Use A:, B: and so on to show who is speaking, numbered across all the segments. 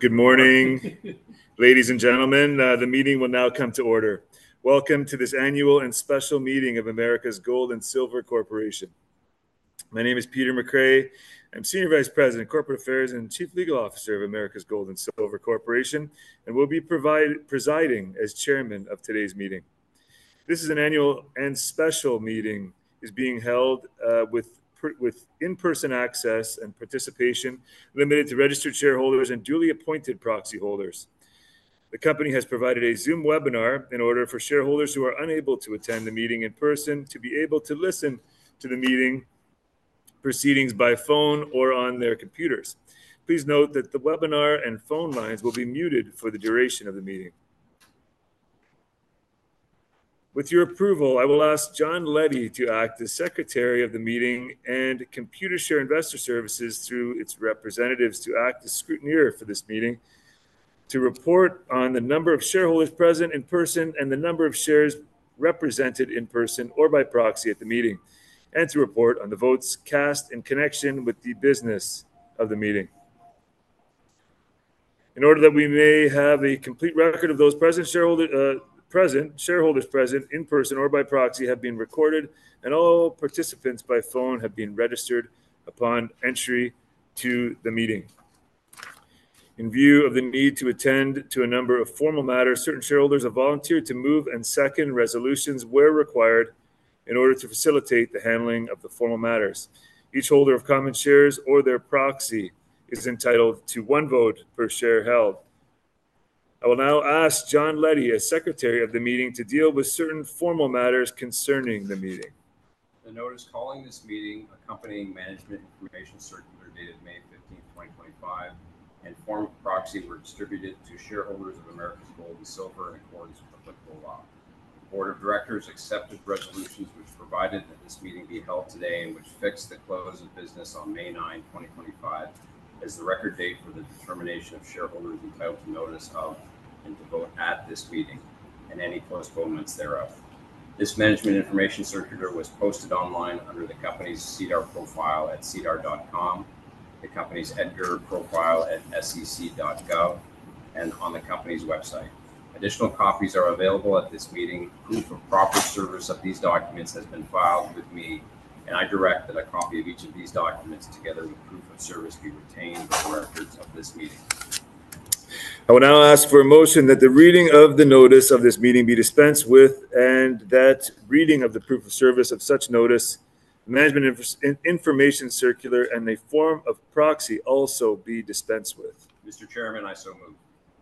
A: Good morning, ladies and gentlemen. The meeting will now come to order. Welcome to this annual and special meeting of Americas Gold and Silver Corporation. My name is Peter McRae. I'm Senior Vice President, Corporate Affairs, and Chief Legal Officer of Americas Gold and Silver Corporation, and will be presiding as Chairman of today's meeting. This is an annual and special meeting that is being held with in-person access and participation limited to registered shareholders and duly appointed proxy holders. The company has provided a Zoom webinar in order for shareholders who are unable to attend the meeting in person to be able to listen to the meeting proceedings by phone or on their computers. Please note that the webinar and phone lines will be muted for the duration of the meeting. With your approval, I will ask John Letty to act as Secretary of the Meeting and Computershare Investor Services through its representatives to act as Scrutineer for this meeting, to report on the number of shareholders present in person and the number of shares represented in person or by proxy at the meeting, and to report on the votes cast in connection with the business of the meeting. In order that we may have a complete record of those present, shareholders present in person or by proxy have been recorded, and all participants by phone have been registered upon entry to the meeting. In view of the need to attend to a number of formal matters, certain shareholders have volunteered to move and second resolutions where required in order to facilitate the handling of the formal matters. Each holder of common shares or their proxy is entitled to one vote per share held. I will now ask John Letty, as Secretary of the Meeting, to deal with certain formal matters concerning the meeting.
B: The notice calling this meeting, accompanying Management Information Circular dated May 15, 2025, and formal proxy were distributed to shareholders of Americas Gold and Silver in accordance with applicable law. The Board of Directors accepted resolutions which provided that this meeting be held today and which fixed the close of business on May 9, 2025, as the record date for the determination of shareholders entitled to notice of and to vote at this meeting and any close moments thereof. This Management Information Circular was posted online under the company's SEDAR profile at sedar.com, the company's EDGAR profile at sec.gov, and on the company's website. Additional copies are available at this meeting. Proof of proper service of these documents has been filed with me, and I direct that a copy of each of these documents together with proof of service be retained for the records of this meeting.
A: I will now ask for a motion that the reading of the notice of this meeting be dispensed with and that reading of the proof of service of such notice, Management Information Circular, and a form of proxy also be dispensed with.
C: Mr. Chairman, I so move.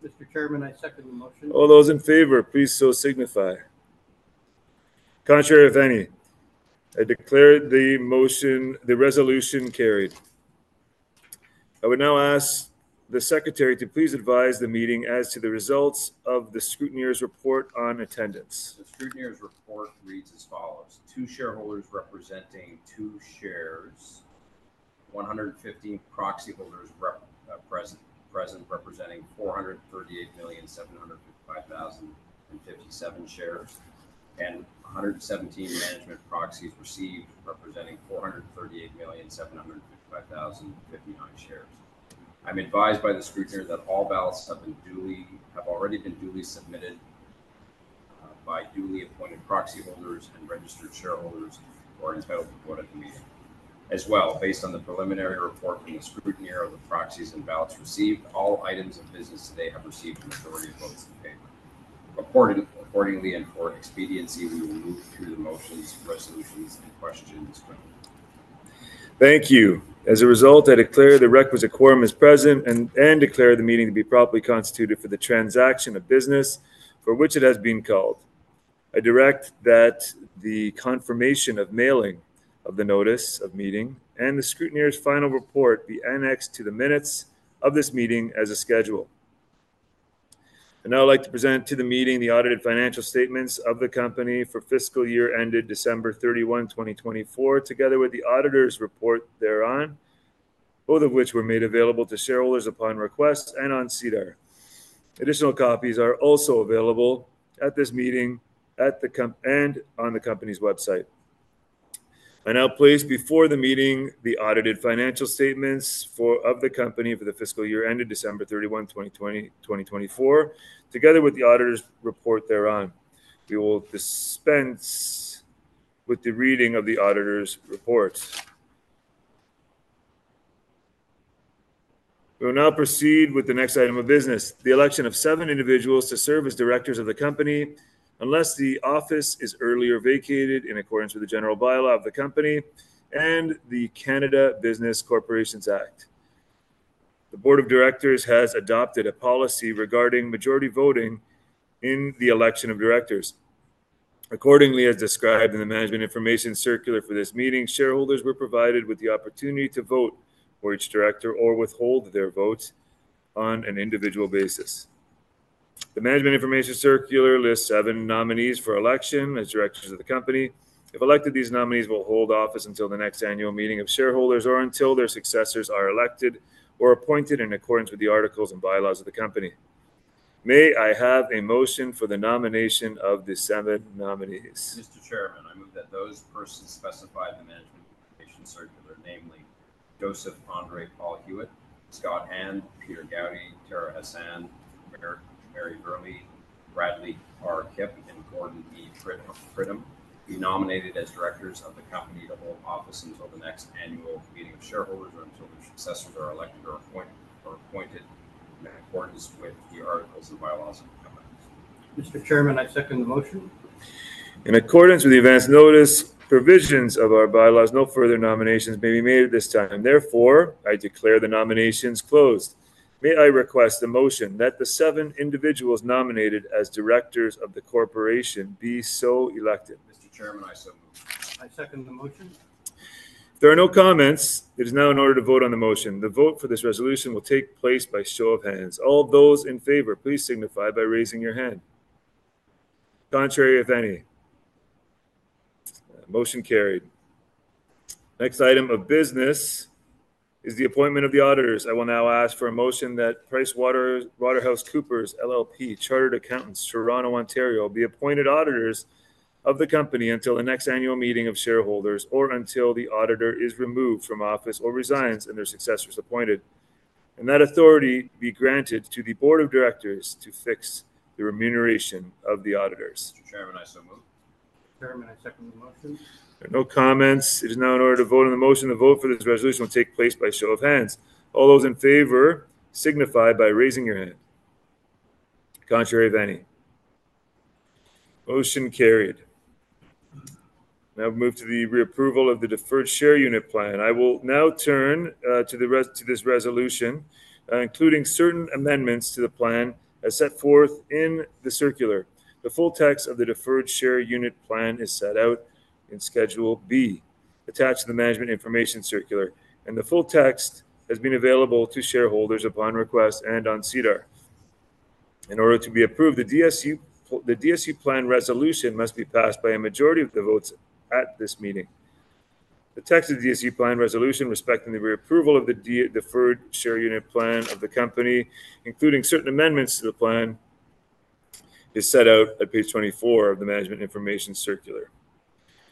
C: Mr. Chairman, I second the motion.
A: All those in favor, please so signify. Contrary of any, I declare the resolution carried. I would now ask the Secretary to please advise the meeting as to the results of the Scrutineer's report on attendance.
B: The Scrutineer's report reads as follows: Two shareholders representing two shares, 115 proxy holders present representing 438,755,057 shares, and 117 management proxies received representing 438,755,059 shares. I'm advised by the Scrutineer that all ballots have already been duly submitted by duly appointed proxy holders and registered shareholders who are entitled to vote at the meeting. As well, based on the preliminary report from the Scrutineer of the proxies and ballots received, all items of business today have received a majority of votes in favor. Accordingly, and for expediency, we will move to the motions, resolutions, and questions now.
A: Thank you. As a result, I declare the requisite quorum is present and declare the meeting to be properly constituted for the transaction of business for which it has been called. I direct that the confirmation of mailing of the notice of meeting and the Scrutineer's final report be annexed to the minutes of this meeting as scheduled. I would now like to present to the meeting the audited financial statements of the company for fiscal year ended December 31, 2024, together with the auditor's report thereon, both of which were made available to shareholders upon request and on SEDAR. Additional copies are also available at this meeting and on the company's website. I now place before the meeting the audited financial statements of the company for the fiscal year ended December 31, 2024, together with the auditor's report thereon. We will dispense with the reading of the auditor's report. We will now proceed with the next item of business: the election of seven individuals to serve as directors of the company unless the office is earlier vacated in accordance with the general bylaw of the company and the Canada Business Corporations Act. The Board of Directors has adopted a policy regarding majority voting in the election of directors. Accordingly, as described in the Management Information Circular for this meeting, shareholders were provided with the opportunity to vote for each director or withhold their votes on an individual basis. The Management Information Circular lists seven nominees for election as directors of the company. If elected, these nominees will hold office until the next annual meeting of shareholders or until their successors are elected or appointed in accordance with the articles and bylaws of the company. May I have a motion for the nomination of the seven nominees?
C: Mr. Chairman, I move that those persons specified in the management information circular, namely Joseph Andre Paul Huet, Scott Hand, Peter Goudie, Tara Hassan, Meri Verli, Bradley R. Kipp, and Gordon E. Pridham, be nominated as directors of the company to hold office until the next annual meeting of shareholders or until their successors are elected or appointed in accordance with the articles and bylaws of the company.
D: Mr. Chairman, I second the motion.
A: In accordance with the advanced notice provisions of our bylaws, no further nominations may be made at this time. Therefore, I declare the nominations closed. May I request a motion that the seven individuals nominated as directors of the corporation be so elected?
C: Mr. Chairman, I so move.
D: I second the motion.
A: If there are no comments, it is now in order to vote on the motion. The vote for this resolution will take place by show of hands. All those in favor, please signify by raising your hand. Contrary of any. Motion carried. Next item of business is the appointment of the auditors. I will now ask for a motion that PricewaterhouseCoopers LLP, Chartered Accountants, Toronto, Ontario, be appointed auditors of the company until the next annual meeting of shareholders or until the auditor is removed from office or resigns and their successors appointed, and that authority be granted to the Board of Directors to fix the remuneration of the auditors.
C: Mr. Chairman, I so move.
D: Mr. Chairman, I second the motion.
A: There are no comments. It is now in order to vote on the motion. The vote for this resolution will take place by show of hands. All those in favor, signify by raising your hand. Contrary of any. Motion carried. Now we move to the reapproval of the Deferred Share Unit Plan. I will now turn to this resolution, including certain amendments to the plan as set forth in the circular. The full text of the Deferred Share Unit Plan is set out in Schedule B, attached to the Management Information Circular, and the full text has been available to shareholders upon request and on SEDAR. In order to be approved, the DSU plan resolution must be passed by a majority of the votes at this meeting. The text of the DSU plan resolution respecting the reapproval of the Deferred Share Unit Plan of the company, including certain amendments to the plan, is set out at page 24 of the Management Information Circular.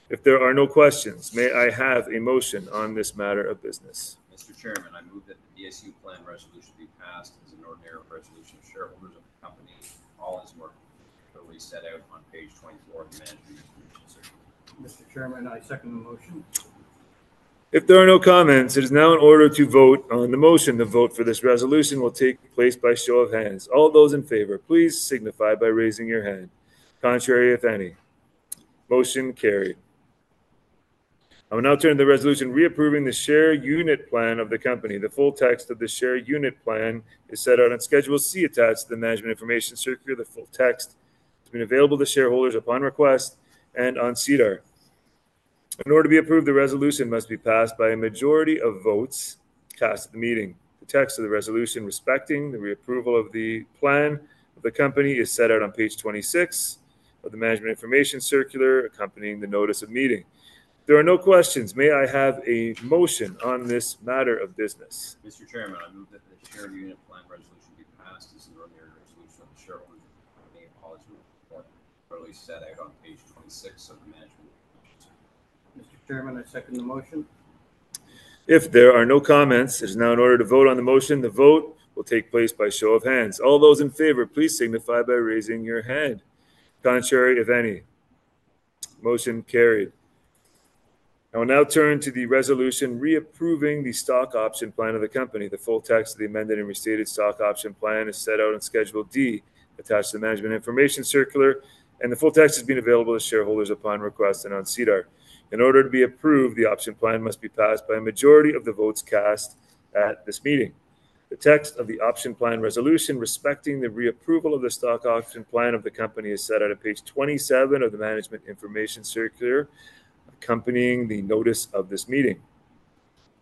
A: If there are no questions, may I have a motion on this matter of business?
C: Mr. Chairman, I move that the DSU plan resolution be passed as an ordinary resolution of shareholders of the company. All is working as set out on page 24 of the Management Information Circular.
D: Mr. Chairman, I second the motion.
A: If there are no comments, it is now in order to vote on the motion. The vote for this resolution will take place by show of hands. All those in favor, please signify by raising your hand. Contrary of any. Motion carried. I will now turn to the resolution reapproving the share unit plan of the company. The full text of the share unit plan is set out on Schedule C, attached to the Management Information Circular. The full text has been available to shareholders upon request and on SEDAR. In order to be approved, the resolution must be passed by a majority of votes cast at the meeting. The text of the resolution respecting the reapproval of the plan of the company is set out on page 26 of the Management Information Circular accompanying the notice of meeting. There are no questions. May I have a motion on this matter of business?
C: Mr. Chairman, I move that the Share Unit Plan resolution be passed as an ordinary resolution of the shareholders of the company and as fully set out on page 26 of the Management Information Circular.
D: Mr. Chairman, I second the motion.
A: If there are no comments, it is now in order to vote on the motion. The vote will take place by show of hands. All those in favor, please signify by raising your hand. Contrary of any. Motion carried. I will now turn to the resolution reapproving the stock option plan of the company. The full text of the amended and restated stock option plan is set out on Schedule D, attached to the Management Information Circular, and the full text has been available to shareholders upon request and on SEDAR. In order to be approved, the option plan must be passed by a majority of the votes cast at this meeting. The text of the option plan resolution respecting the reapproval of the stock option plan of the company is set out at page 27 of the Management Information Circular accompanying the notice of this meeting.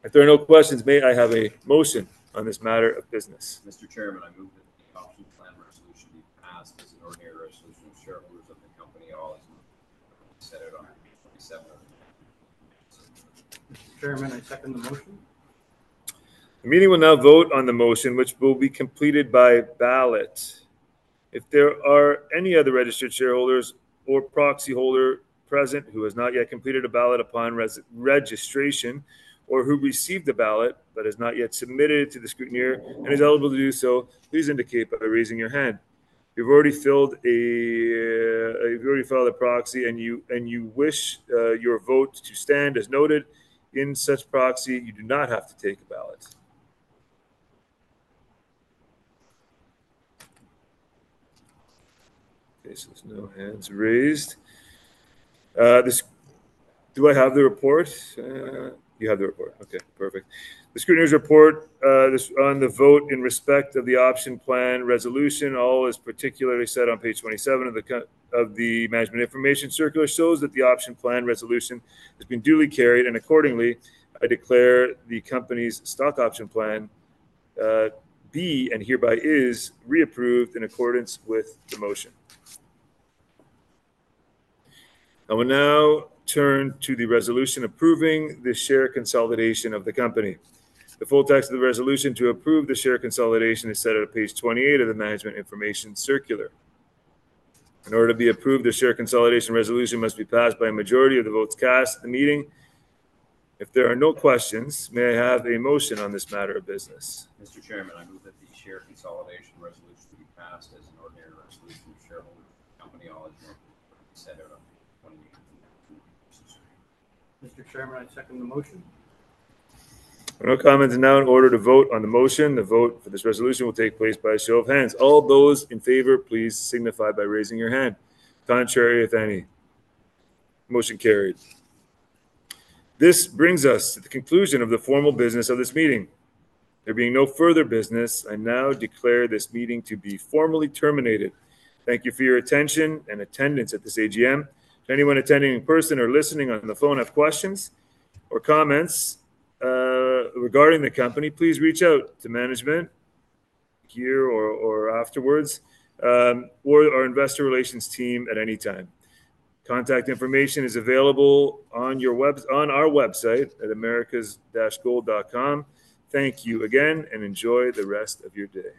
A: If there are no questions, may I have a motion on this matter of business?
C: Mr. Chairman, I move that the option plan resolution be passed as an ordinary resolution of shareholders of the company. All is set out on page 27 of the Management Information Circular.
D: Mr. Chairman, I second the motion.
A: The meeting will now vote on the motion, which will be completed by ballot. If there are any other registered shareholders or proxy holder present who has not yet completed a ballot upon registration or who received a ballot but has not yet submitted to the scrutineer and is eligible to do so, please indicate by raising your hand. If you've already filled a proxy and you wish your vote to stand as noted in such proxy, you do not have to take a ballot. Okay, so there's no hands raised. Do I have the report? You have the report. Okay, perfect. The Scrutineer's report on the vote in respect of the option plan resolution, all as particularly set on page 27 of the Management Information Circular, shows that the option plan resolution has been duly carried, and accordingly, I declare the company's stock option plan be and hereby is reapproved in accordance with the motion. I will now turn to the resolution approving the share consolidation of the company. The full text of the resolution to approve the share consolidation is set at page 28 of the management information circular. In order to be approved, the share consolidation resolution must be passed by a majority of the votes cast at the meeting. If there are no questions, may I have a motion on this matter of business?
C: Mr. Chairman, I move that the share consolidation resolution be passed as an ordinary resolution of shareholders of the company, all as set out on page 28 of the Management Information Circular. Mr. Chairman, I second the motion.
A: No comments. Now, in order to vote on the motion, the vote for this resolution will take place by show of hands. All those in favor, please signify by raising your hand. Contrary of any. Motion carried. This brings us to the conclusion of the formal business of this meeting. There being no further business, I now declare this meeting to be formally terminated. Thank you for your attention and attendance at this AGM. If anyone attending in person or listening on the phone have questions or comments regarding the company, please reach out to management here or afterwards or our investor relations team at any time. Contact information is available on our website at americasgold.com. Thank you again and enjoy the rest of your day.